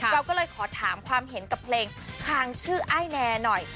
เราก็เลยขอถามความเห็นกับเพลงคางชื่ออ้ายแนหน่อย